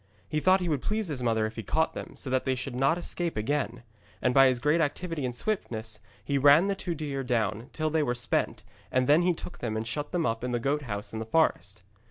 He thought he would please his mother if he caught them, so that they should not escape again. And by his great activity and swiftness he ran the two deer down till they were spent, and then he took them and shut them up in the goat house in the forest.